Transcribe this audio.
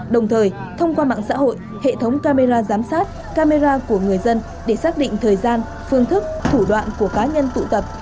đồng thời thông qua mạng xã hội hệ thống camera giám sát camera của người dân để xác định thời gian phương thức thủ đoạn của cá nhân tụ tập